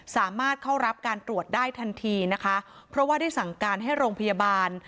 สามารถเข้ารับการตรวจได้ทันทีนะคะเพราะว่าได้สั่งการให้โรงพยาบาล